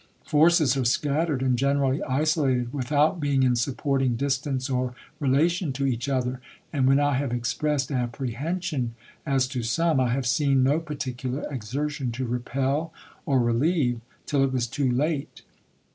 Forces are scattered and generally isolated without being in supporting distance or relation to each other, and when I have expressed apprehension as to some, I have seen no particular exertion to repel or relieve, till it was too late.